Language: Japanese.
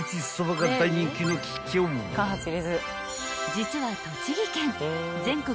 ［実は栃木県全国